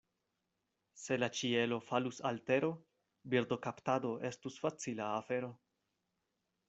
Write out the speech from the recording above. Se la ĉielo falus al tero, birdokaptado estus facila afero.